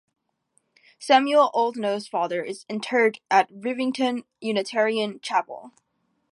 Samuel Oldknow's father is interred at Rivington Unitarian Chapel.